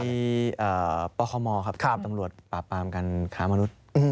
มีปคมครับเป็นตำรวจปราบปรามการค้ามนุษย์